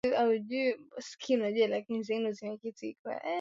Mazungumzo yake ya siri yamesitishwa